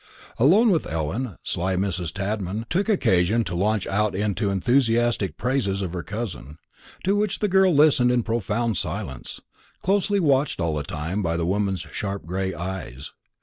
Alone with Ellen, sly Mrs. Tadman took occasion to launch out into enthusiastic praises of her cousin; to which the girl listened in profound silence, closely watched all the time by the woman's sharp gray eyes.